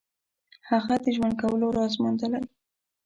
هغه د ژوند کولو راز موندلی.